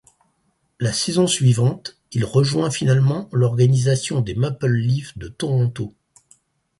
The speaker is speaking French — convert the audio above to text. La saison suivante, il rejoint finalement l'organisation des Maple Leafs de Toronto.